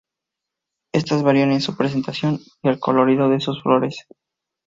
Estas varían en su presentación y el colorido de sus flores.